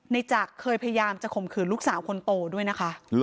จักรเคยพยายามจะข่มขืนลูกสาวคนโตด้วยนะคะ